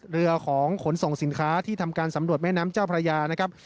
เรือของขนส่งสินค้าที่ทำการสำรวจแม่น้ำเจ้าพระยานะครับ